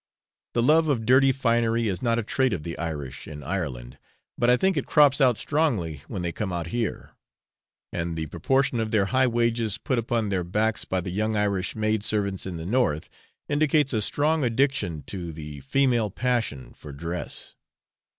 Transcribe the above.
The love of dirty finery is not a trait of the Irish in Ireland, but I think it crops out strongly when they come out here; and the proportion of their high wages put upon their backs by the young Irish maid servants in the north, indicates a strong addiction to the female passion for dress.